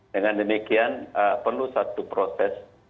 dengan demikian perlu satu proses